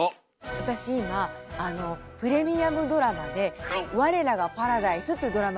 私今あのプレミアムドラマで「我らがパラダイス」というドラマに出演してるの。